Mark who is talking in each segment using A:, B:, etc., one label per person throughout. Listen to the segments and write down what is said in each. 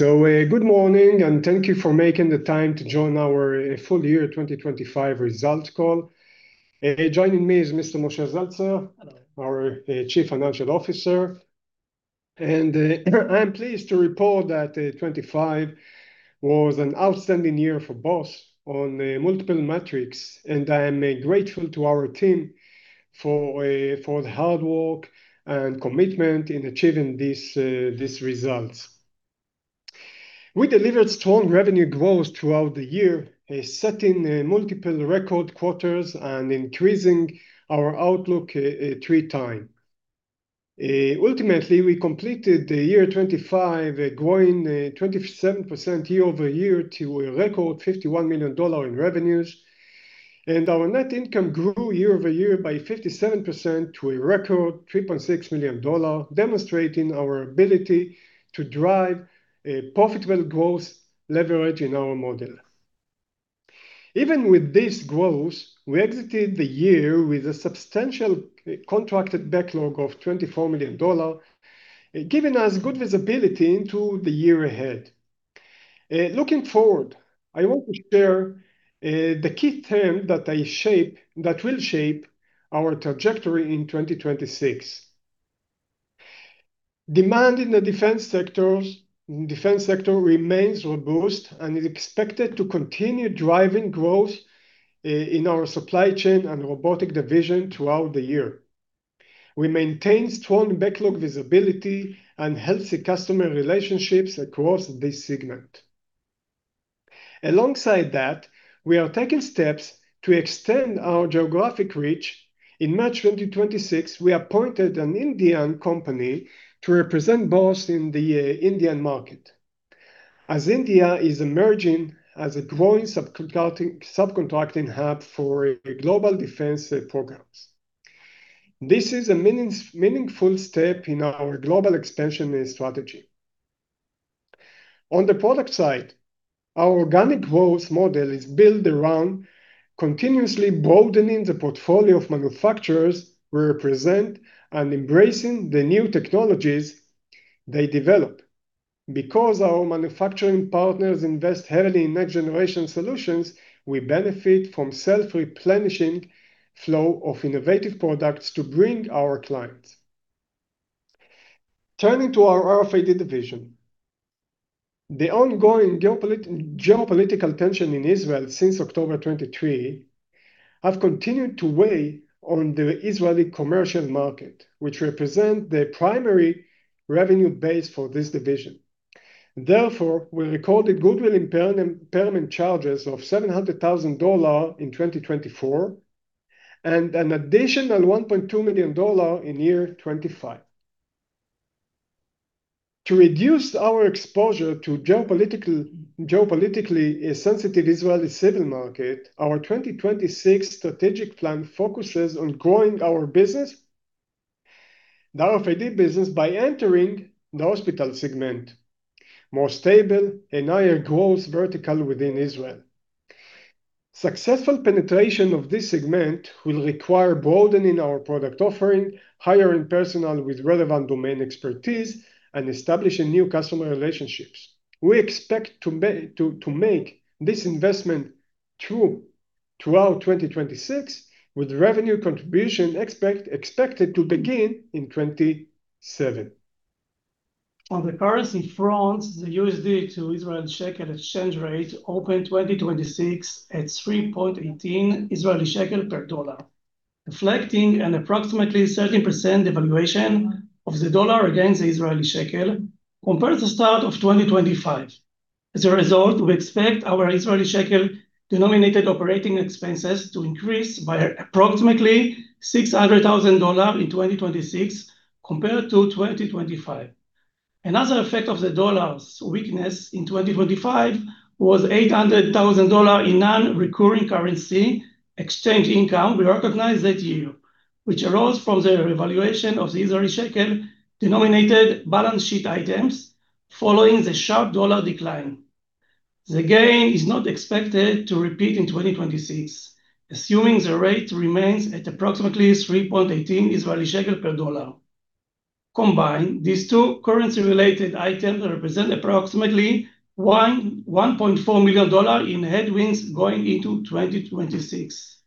A: Good morning, and thank you for making the time to join our full year 2025 results call. Joining me is Mr. Moshe Zeltzer our Chief Financial Officer. I am pleased to report that 2025 was an outstanding year for B.O.S. on multiple metrics, and I am grateful to our team for the hard work and commitment in achieving these results. We delivered strong revenue growth throughout the year, setting multiple record quarters and increasing our outlook three times. Ultimately, we completed the year 2025, growing 27% year-over-year to a record $51 million in revenues, and our net income grew year-over-year by 57% to a record $3.6 million, demonstrating our ability to drive profitable growth leverage in our model. Even with this growth, we exited the year with a substantial contracted backlog of $24 million, giving us good visibility into the year ahead. Looking forward, I want to share the key theme that will shape our trajectory in 2026. Demand in the defense sector remains robust and is expected to continue driving growth in our supply chain and Robotics Division throughout the year. We maintain strong backlog visibility and healthy customer relationships across this segment. Alongside that, we are taking steps to extend our geographic reach. In March 2026, we appointed an Indian company to represent B.O.S. in the Indian market. As India is emerging as a growing subcontracting hub for global defense programs. This is a meaningful step in our global expansion strategy. On the product side, our organic growth model is built around continuously broadening the portfolio of manufacturers we represent and embracing the new technologies they develop. Because our manufacturing partners invest heavily in next-generation solutions, we benefit from self-replenishing flow of innovative products to bring our clients. Turning to our RFID Division, the ongoing geopolitical tension in Israel since October 2023 have continued to weigh on the Israeli commercial market, which represent the primary revenue base for this division. Therefore, we recorded goodwill impairment charges of $700,000 in 2024, and an additional $1.2 million in 2025. To reduce our exposure to geopolitical, geopolitically sensitive Israeli civilian market, our 2026 strategic plan focuses on growing our business, the RFID business, by entering the hospital segment, more stable and higher growth vertical within Israel. Successful penetration of this segment will require broadening our product offering, hiring personnel with relevant domain expertise, and establishing new customer relationships. We expect to make this investment throughout 2026, with revenue contribution expected to begin in 2027.
B: On the currency front, the USD to Israeli shekel exchange rate opened 2026 at 3.18 Israeli shekel per dollar, reflecting an approximately 13% devaluation of the dollar against the Israeli shekel compared to start of 2025. As a result, we expect our Israeli shekel denominated operating expenses to increase by approximately $600,000 in 2026 compared to 2025. Another effect of the dollar's weakness in 2025 was $800,000 in non-recurring currency exchange income we recognized that year, which arose from the revaluation of the Israeli shekel denominated balance sheet items following the sharp dollar decline. The gain is not expected to repeat in 2026, assuming the rate remains at approximately 3.18 Israeli shekel per dollar. Combined, these two currency related items represent approximately $1.4 million in headwinds going into 2026.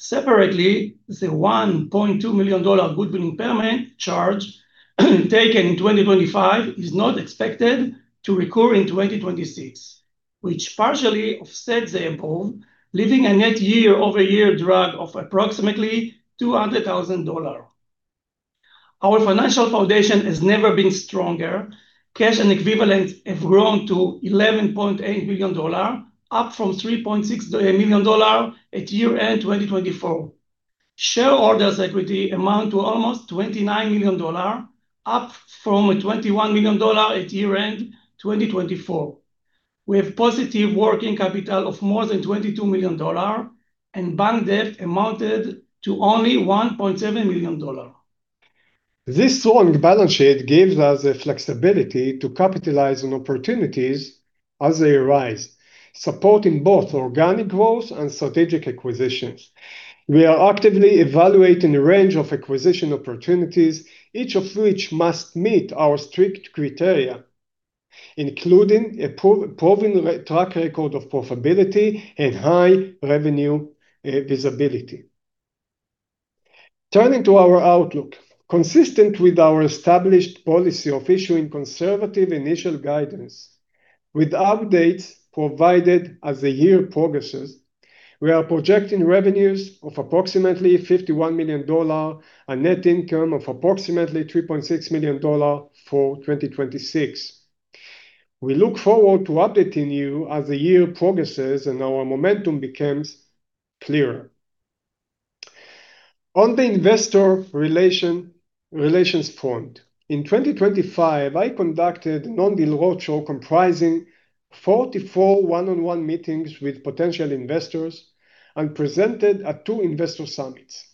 B: Separately, the $1.2 million goodwill impairment charge taken in 2025 is not expected to recur in 2026, which partially offsets the impact, leaving a net year-over-year drag of approximately $200,000. Our financial foundation has never been stronger. Cash and equivalents have grown to $11.8 million, up from $3.6 million at year-end 2024. Shareholders' equity amounts to almost $29 million, up from $21 million at year-end 2024. We have positive working capital of more than $22 million, and bank debt amounted to only $1.7 million.
A: This strong balance sheet gives us the flexibility to capitalize on opportunities. As they arise, supporting both organic growth and strategic acquisitions. We are actively evaluating a range of acquisition opportunities, each of which must meet our strict criteria, including a proven track record of profitability and high revenue visibility. Turning to our outlook, consistent with our established policy of issuing conservative initial guidance with updates provided as the year progresses, we are projecting revenues of approximately $51 million, a net income of approximately $3.6 million for 2026. We look forward to updating you as the year progresses and our momentum becomes clearer. On the investor relations front, in 2025, I conducted an on-the-road show comprising 44 one-on-one meetings with potential investors and presented at two investor summits.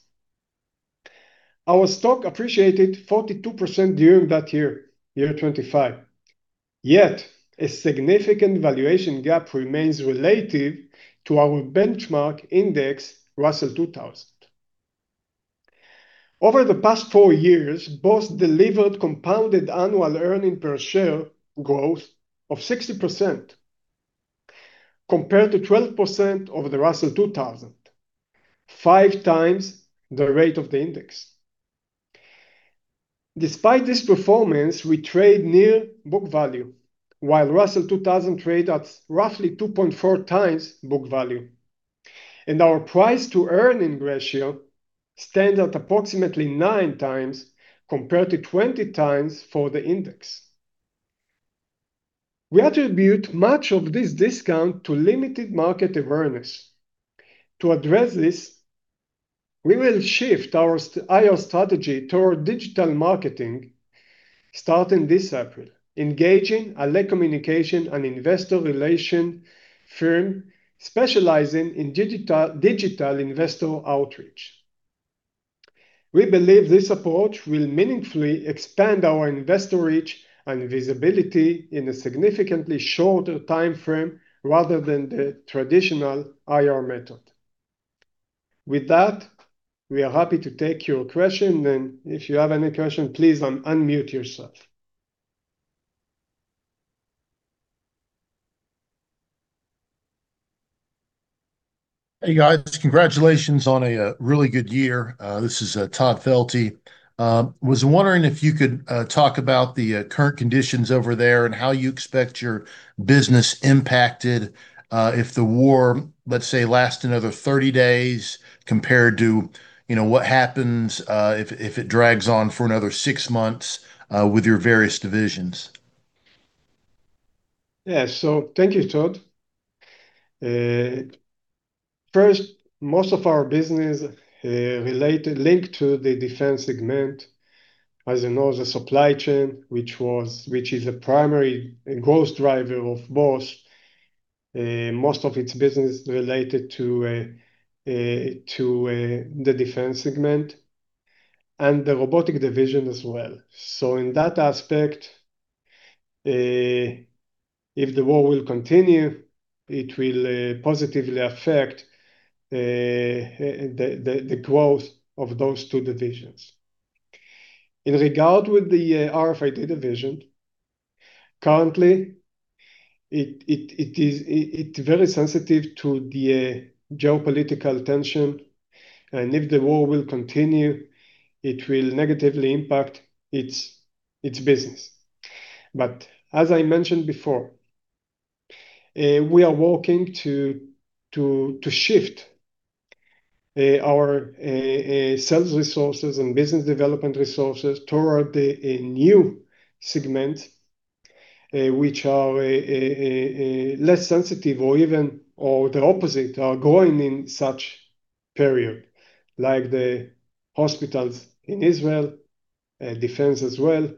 A: Our stock appreciated 42% during that year 2025, yet a significant valuation gap remains relative to our benchmark index, Russell 2000. Over the past four years, B.O.S. delivered compounded annual earnings per share growth of 60% compared to 12% of the Russell 2000, 5x the rate of the index. Despite this performance, we trade near book value, while Russell 2000 trade at roughly 2.4x book value. Our price-to-earnings ratio stands at approximately 9x compared to 20x for the index. We attribute much of this discount to limited market awareness. To address this, we will shift our IR strategy toward digital marketing starting this April, engaging Aly Communications, an investor relations firm specializing in digital investor outreach. We believe this approach will meaningfully expand our investor reach and visibility in a significantly shorter timeframe rather than the traditional IR method. With that, we are happy to take your question, and if you have any question, please unmute yourself.
C: Hey, guys. Congratulations on a really good year. This is Todd Felte. Was wondering if you could talk about the current conditions over there and how you expect your business impacted if the war, let's say, lasts another 30 days compared to, you know, what happens if it drags on for another six months with your various divisions.
A: Yeah. Thank you, Todd. First, most of our business related, linked to the defense segment, as you know, the supply chain, which is a primary growth driver of B.O.S., most of its business related to the defense segment and the Robotics Division as well. In that aspect, if the war will continue, it will positively affect the growth of those two divisions. With regard to the RFID Division, currently it is very sensitive to the geopolitical tension, and if the war will continue, it will negatively impact its business. As I mentioned before, we are working to shift our sales resources and business development resources toward a new segment, which are less sensitive or even the opposite, are growing in such period, like the hospitals in Israel, defense as well,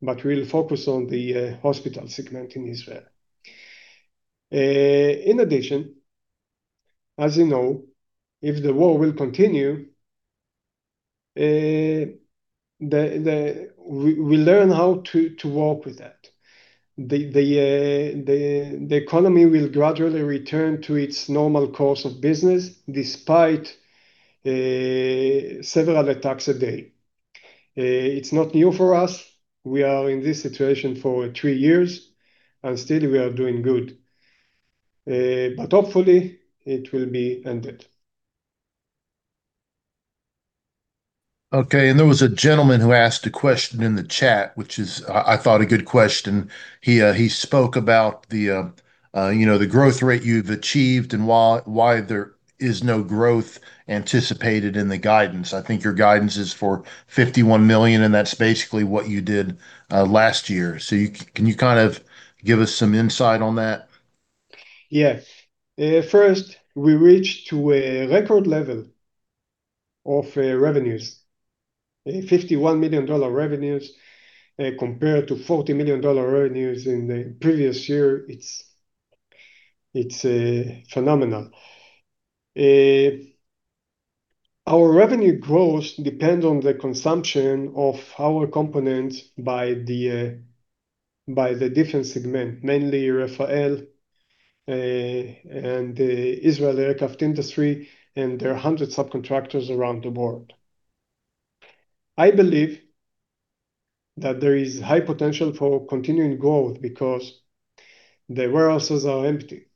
A: but we'll focus on the hospital segment in Israel. In addition, as you know, if the war will continue, we learn how to work with that. The economy will gradually return to its normal course of business despite several attacks a day. It's not new for us. We are in this situation for three years, and still we are doing good. Hopefully, it will be ended.
C: Okay. There was a gentleman who asked a question in the chat, which is, I thought a good question. He spoke about the, you know, the growth rate you've achieved and why there is no growth anticipated in the guidance. I think your guidance is for $51 million, and that's basically what you did last year. Can you kind of give us some insight on that?
A: Yeah. First, we reached to a record level of revenues. $51 million revenues, compared to $40 million revenues in the previous year, it's phenomenal. Our revenue growth depends on the consumption of our components by the different segments, mainly Rafael, and the Israeli aircraft industry, and there are hundreds of subcontractors around the world. I believe that there is high potential for continuing growth because the warehouses are empty.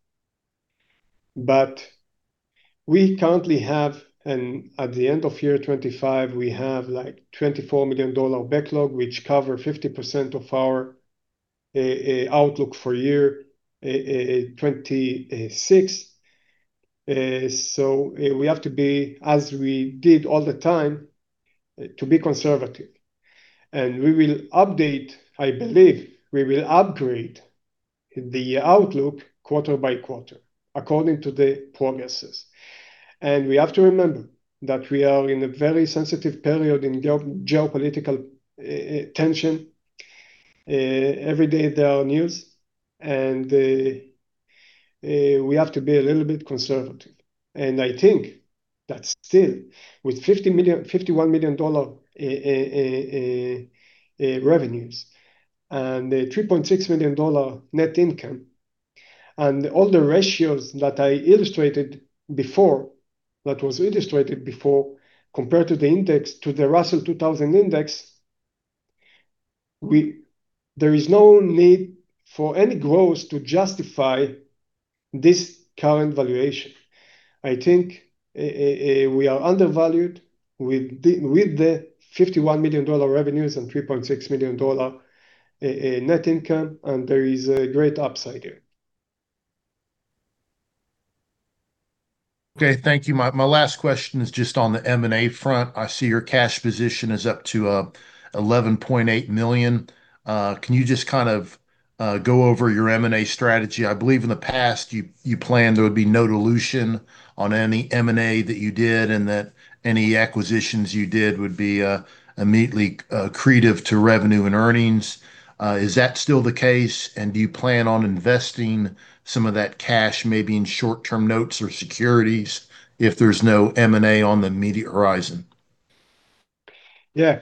A: We currently have and at the end of year 2025, we have, like, $24 million backlog, which covers 50% of our outlook for year 2026. So we have to be, as we did all the time, to be conservative. We will update, I believe, we will upgrade the outlook quarter by quarter according to the progress. We have to remember that we are in a very sensitive period in geopolitical tension. Every day there are news, and we have to be a little bit conservative. I think that still, with $51 million revenues and a $3.6 million net income and all the ratios that I illustrated before, compared to the Russell 2000 index, there is no need for any growth to justify this current valuation. I think we are undervalued with the $51 million revenues and $3.6 million net income, and there is a great upside here.
C: Okay. Thank you. My last question is just on the M&A front. I see your cash position is up to $11.8 million. Can you just kind of go over your M&A strategy? I believe in the past, you planned there would be no dilution on any M&A that you did, and that any acquisitions you did would be immediately accretive to revenue and earnings. Is that still the case? And do you plan on investing some of that cash maybe in short-term notes or securities if there's no M&A on the immediate horizon?
A: Yeah.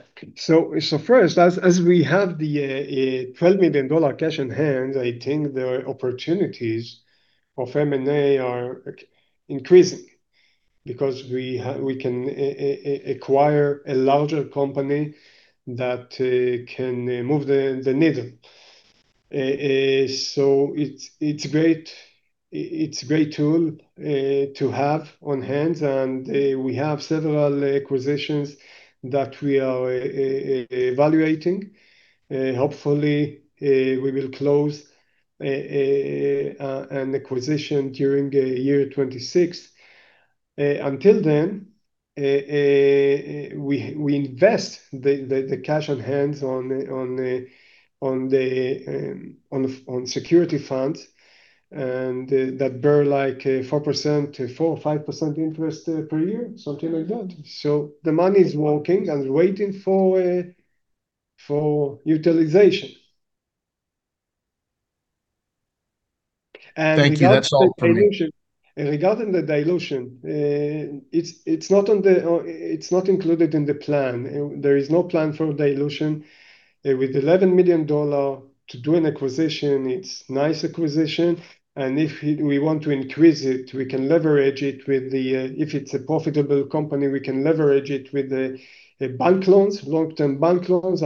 A: First, as we have the $12 million cash on hand, I think the opportunities of M&A are increasing because we can acquire a larger company that can move the needle. It's great, it's a great tool to have on hand, and we have several acquisitions that we are evaluating. Hopefully, we will close an acquisition during 2026. Until then, we invest the cash on hand on securities funds and that bear like 4%, 4% or 5% interest per year, something like that. The money is working and waiting for utilization.
C: Thank you. That's all for me.
A: Regarding the dilution, it's not included in the plan. There is no plan for dilution. With $11 million to do an acquisition, it's a nice acquisition, and if we want to increase it, we can leverage it with the bank loans, long-term bank loans, if it's a profitable company,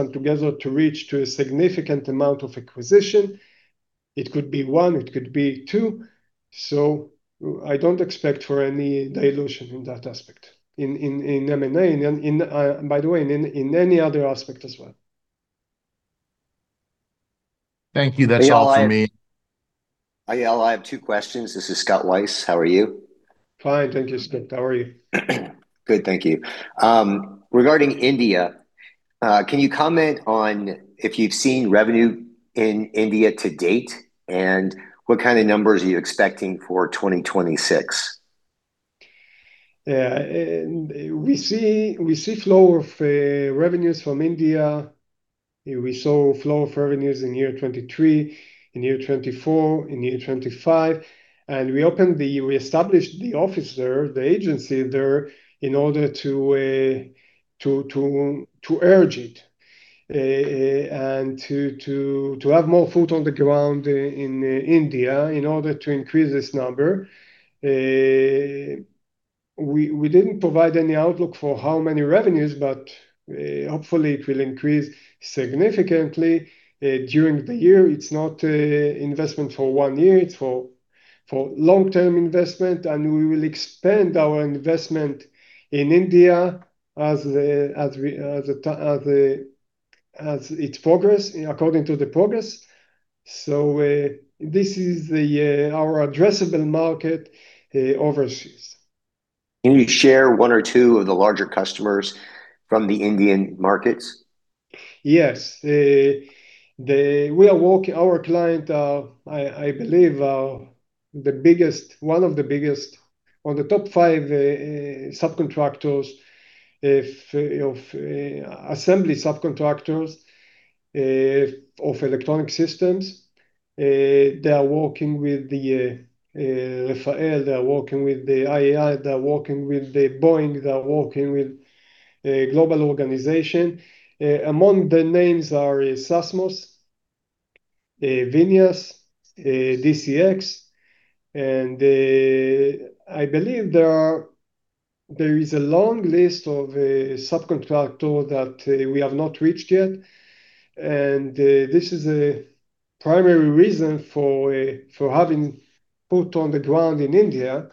A: and together reach a significant amount of acquisition. It could be one, it could be two. I don't expect any dilution in that aspect, in M&A, and, by the way, in any other aspect as well.
C: Thank you. That's all for me.
D: Eyal, I have two questions. This is Scott Weiss. How are you?
A: Fine. Thank you, Scott. How are you?
D: Good. Thank you. Regarding India, can you comment on if you've seen revenue in India to date, and what kind of numbers are you expecting for 2026?
A: Yeah. We see flow of revenues from India. We saw flow of revenues in year 2023, in year 2024, in year 2025. We established the office there, the agency there, in order to urge it and to have more foot on the ground in India in order to increase this number. We didn't provide any outlook for how many revenues, but hopefully it will increase significantly during the year. It's not a investment for one year, it's for long-term investment, and we will expand our investment in India as it progress, according to the progress. This is our addressable market overseas.
D: Can you share one or two of the larger customers from the Indian markets?
A: Yes. Our client, I believe, the biggest, one of the biggest, one of the top five subcontractors of assembly subcontractors of electronic systems. They are working with Rafael, they are working with the IAI, they are working with Boeing, they are working with a global organization. Among the names are Sasmos, Vinyas, DCX, and I believe there is a long list of subcontractors that we have not reached yet, and this is a primary reason for having put on the ground in India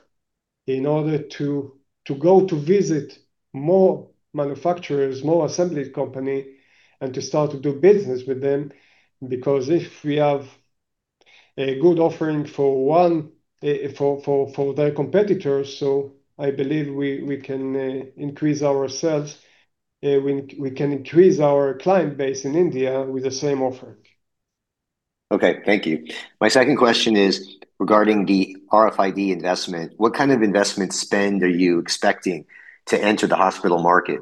A: in order to go to visit more manufacturers, more assembly company, and to start to do business with them. If we have a good offering for one for their competitors, so I believe we can increase our sales, we can increase our client base in India with the same offering.
D: Okay. Thank you. My second question is regarding the RFID investment. What kind of investment spend are you expecting to enter the hospital market?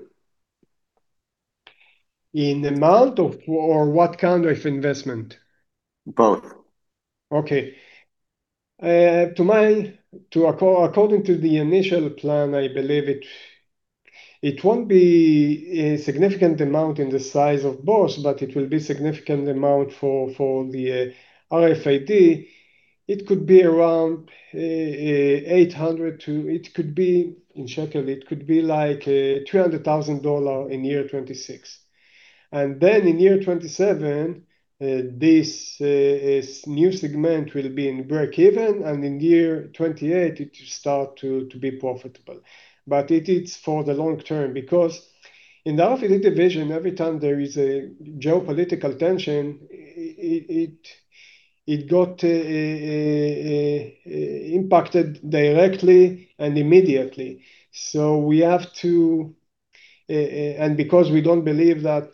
A: In what amount or what kind of investment?
D: Both.
A: Okay. According to the initial plan, I believe it won't be a significant amount in the size of both, but it will be significant amount for the RFID Division. It could be around 800. It could be in shekel like $200,000 in 2026. In 2027, this new segment will be in break-even, and in 2028, it will start to be profitable. It is for the long term, because in the RFID Division, every time there is a geopolitical tension, it got impacted directly and immediately. We have to. Because we don't believe that,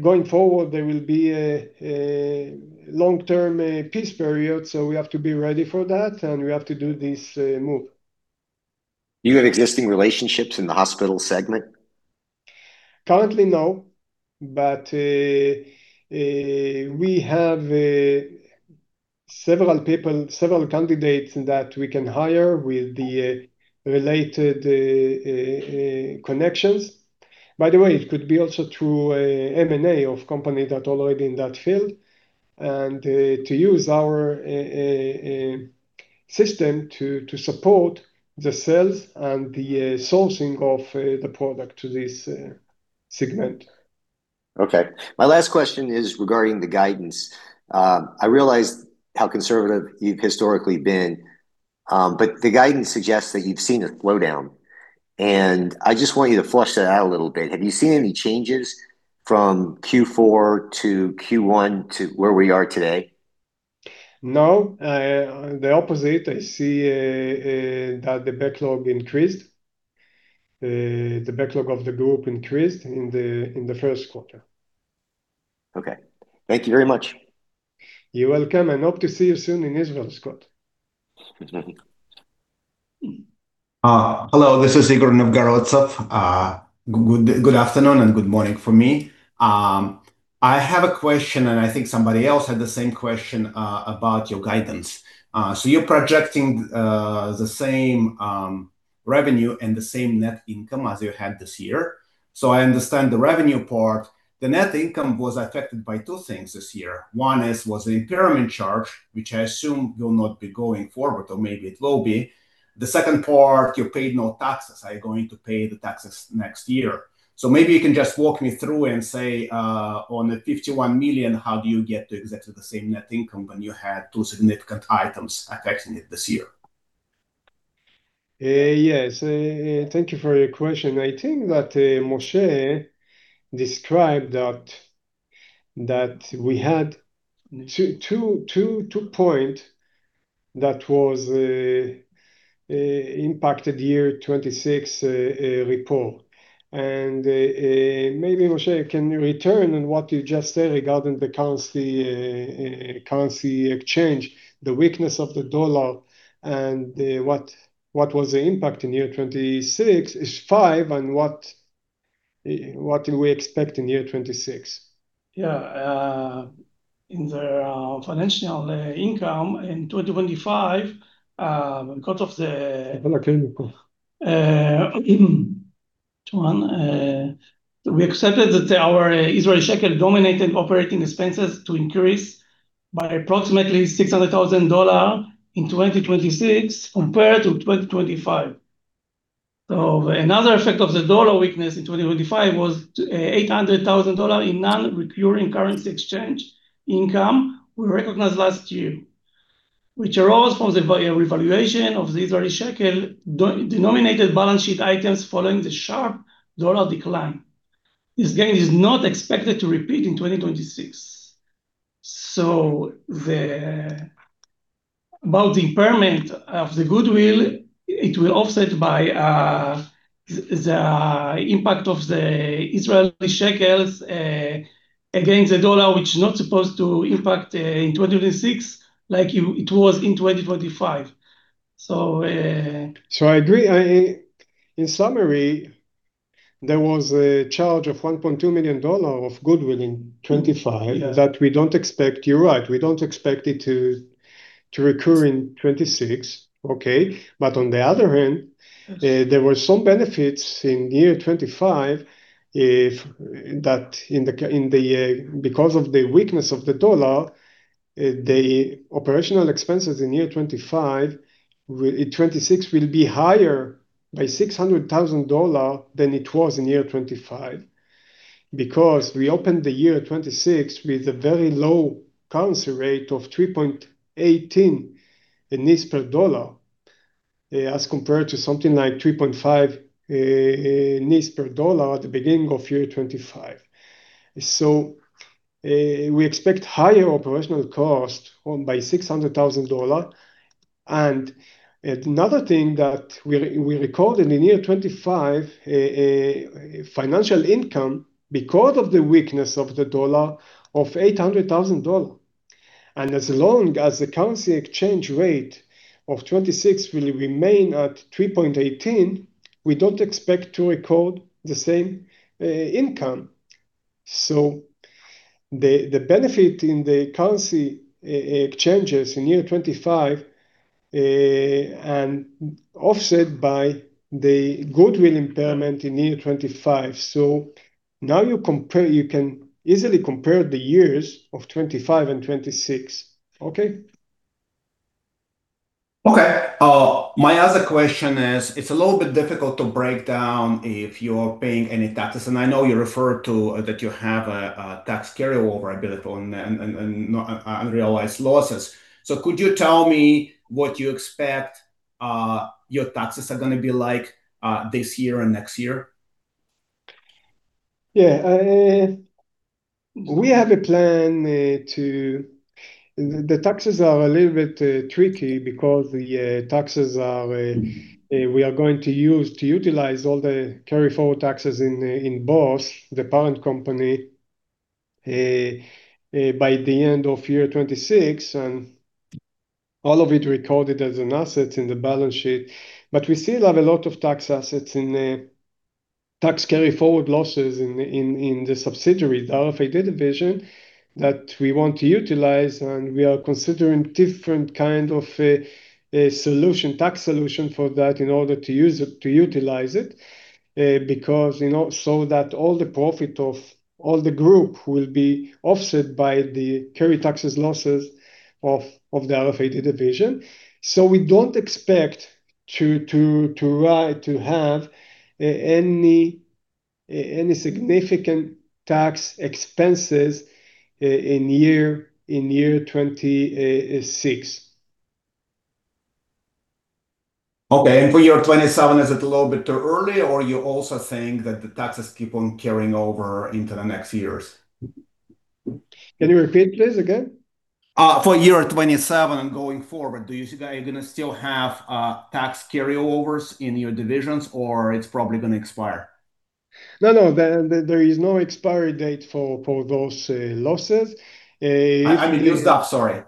A: going forward, there will be a long-term peace period, so we have to be ready for that, and we have to do this move.
D: Do you have existing relationships in the hospital segment?
A: Currently, no. We have several people, several candidates that we can hire with the related connections. By the way, it could be also through a M&A of company that already in that field, and to use our system to support the sales and the sourcing of the product to this segment.
D: Okay. My last question is regarding the guidance. I realize how conservative you've historically been, but the guidance suggests that you've seen a slowdown, and I just want you to flesh that out a little bit. Have you seen any changes from Q4 to Q1 to where we are today?
A: No. The opposite. I see that the backlog increased. The backlog of the group increased in the first quarter.
D: Okay. Thank you very much.
A: You're welcome, and hope to see you soon in Israel, Scott.
E: Hello, this is Igor Novgorodsev. Good afternoon and good morning from me. I have a question, and I think somebody else had the same question about your guidance. You're projecting the same revenue and the same net income as you had this year. I understand the revenue part. The net income was affected by two things this year. One was the impairment charge, which I assume will not be going forward, or maybe it will be. The second part, you paid no taxes. Are you going to pay the taxes next year? Maybe you can just walk me through and say, on the $51 million, how do you get to exactly the same net income when you had two significant items affecting it this year?
A: Yes. Thank you for your question. I think that Moshe described that we had two point that was impacted 2026 report. Maybe Moshe can comment on what you just said regarding the currency exchange, the weakness of the dollar, and what was the impact in year 2025, and what do we expect in year 2026.
B: In the financial income in 2025, we expect that our Israeli shekel-denominated operating expenses to increase by approximately $600,000 in 2026 compared to 2025. Another effect of the dollar weakness in 2025 was $800,000 in non-recurring currency exchange income we recognized last year, which arose from the revaluation of the Israeli shekel-denominated balance sheet items following the sharp dollar decline. This gain is not expected to repeat in 2026. About the impairment of the goodwill, it will offset by the impact of the Israeli shekels. Against the dollar, which is not supposed to impact in 2026 like it was in 2025.
A: In summary, there was a charge of $1.2 million of goodwill in 2025.
E: Yeah
A: You're right, we don't expect it to recur in 2026. Okay. On the other hand
E: Yes
A: There were some benefits in year 2025 because of the weakness of the dollar. The operational expenses in year 2026 will be higher by $600,000 than it was in year 2025. Because we opened the year 2026 with a very low currency rate of NIS 3.18 per dollar, as compared to something like NIS 3.5 per dollar at the beginning of year 2025. We expect higher operational cost by $600,000. Another thing that we recorded in year 2025, a financial income because of the weakness of the US dollar of $800,000, and as long as the currency exchange rate of 2026 will remain at 3.18, we don't expect to record the same income. The benefit in the currency exchanges in year 2025 and offset by the goodwill impairment in year 2025. You can easily compare the years 2025 and 2026. Okay?
E: Okay. My other question is, it's a little bit difficult to break down if you're paying any taxes, and I know you referred to that you have a tax carryforward ability and unrealized losses. Could you tell me what you expect your taxes are gonna be like this year and next year?
A: Yeah. We have a plan. The taxes are a little bit tricky because the taxes are. We are going to utilize all the tax loss carryforwards in both the parent company by the end of 2026, and all of it recorded as an asset in the balance sheet. We still have a lot of tax assets in tax loss carryforwards in the subsidiaries, the RFID Division, that we want to utilize, and we are considering different kind of tax solution for that in order to utilize it because, you know, so that all the profit of all the group will be offset by the carryforward tax losses of the RFID Division. We don't expect to have any significant tax expenses in year 2026.
E: Okay. For year 2027, is it a little bit too early, or you're also saying that the taxes keep on carrying over into the next years?
A: Can you repeat please again?
E: For year 27 and going forward, do you see that you're gonna still have tax loss carryforwards in your divisions, or it's probably gonna expire?
A: No. There is no expiry date for those losses.
E: I mean used up, sorry.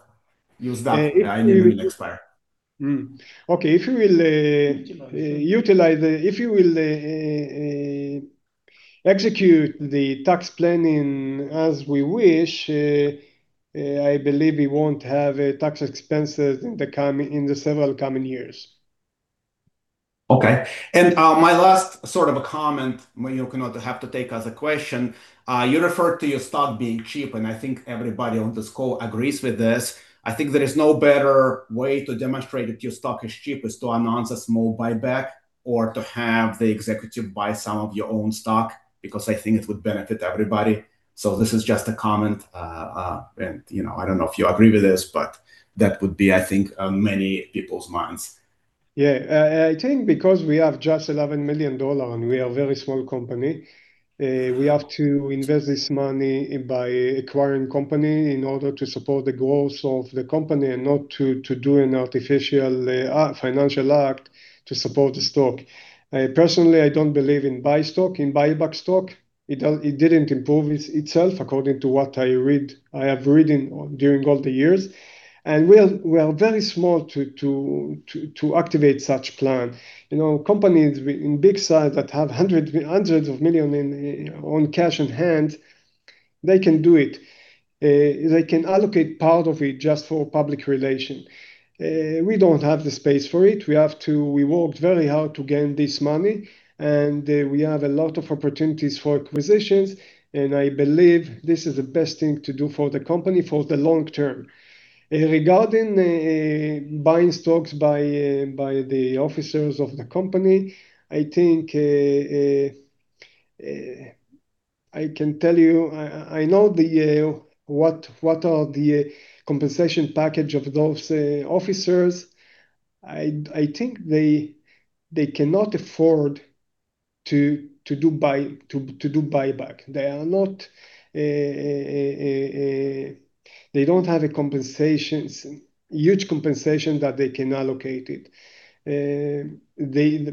E: Used up.
A: If, if you-
E: It will expire.
A: Okay. If you will, Utilize them. If you will execute the tax planning as we wish, I believe we won't have tax expenses in the several coming years.
E: Okay. My last sort of a comment, Eyal, you know, to have to take as a question, you referred to your stock being cheap, and I think everybody on this call agrees with this. I think there is no better way to demonstrate that your stock is cheap is to announce a small buyback or to have the executive buy some of your own stock, because I think it would benefit everybody. This is just a comment. You know, I don't know if you agree with this, but that would be, I think, on many people's minds.
A: Yeah. I think because we have just $11 million and we are a very small company, we have to invest this money by acquiring company in order to support the growth of the company and not to do an artificial financial act to support the stock. Personally, I don't believe in buy stock, in buyback stock. It didn't improve itself according to what I read. I have read during all the years. We are very small to activate such plan. You know, companies within big size that have hundreds of millions on cash on hand, they can do it. They can allocate part of it just for public relations. We don't have the space for it. We have to... We worked very hard to gain this money, and we have a lot of opportunities for acquisitions, and I believe this is the best thing to do for the company for the long term. Regarding buying stocks by the officers of the company, I think I can tell you, I know what are the compensation package of those officers. I think they cannot afford to do buyback. They don't have compensation, huge compensation that they can allocate it.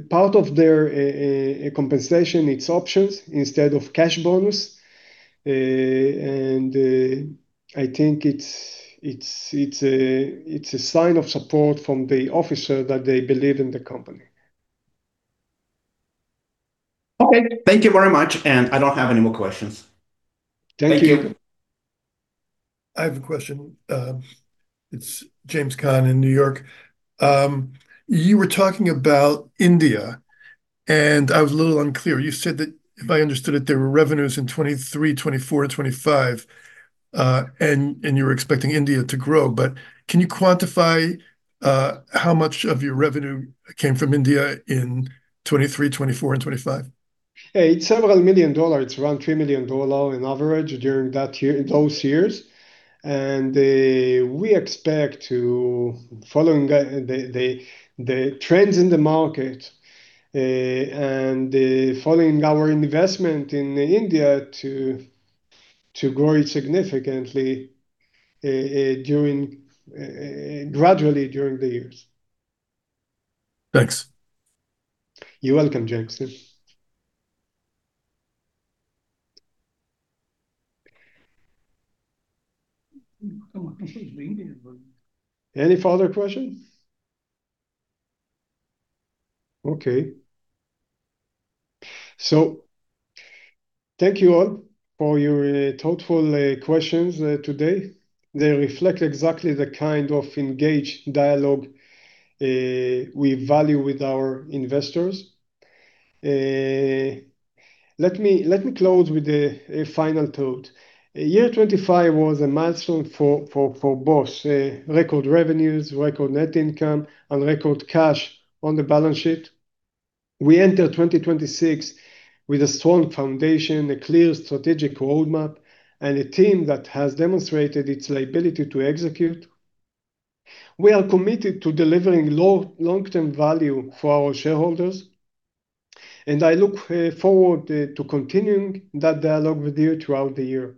A: Part of their compensation, it's options instead of cash bonus. I think it's a sign of support from the officer that they believe in the company.
E: Okay. Thank you very much, and I don't have any more questions.
A: Thank you.
E: Thank you.
F: I have a question. It's James Khan in New York. You were talking about India, and I was a little unclear. You said that, if I understood it, there were revenues in 2023, 2024, and 2025, and you're expecting India to grow. Can you quantify how much of your revenue came from India in 2023, 2024, and 2025?
A: Yeah. It's several million dollars. It's around $3 million on average during that year, those years. We expect, following the trends in the market, and following our investment in India, to grow it significantly, gradually during the years.
F: Thanks.
A: You're welcome, James. Any further questions? Okay. Thank you all for your thoughtful questions today. They reflect exactly the kind of engaged dialogue we value with our investors. Let me close with a final thought. Year 2025 was a milestone for B.O.S. Record revenues, record net income, and record cash on the balance sheet. We enter 2026 with a strong foundation, a clear strategic roadmap, and a team that has demonstrated its ability to execute. We are committed to delivering long-term value for our shareholders, and I look forward to continuing that dialogue with you throughout the year.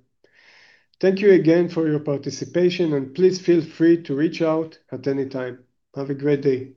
A: Thank you again for your participation, and please feel free to reach out at any time. Have a great day.